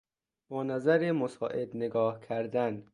با نظر مساعد نگاه کردن